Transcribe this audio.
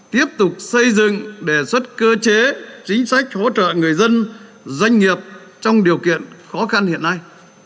tiếp tục xây dựng đề xuất cơ chế chính sách hỗ trợ người dân doanh nghiệp trong điều kiện khó khăn hiện nay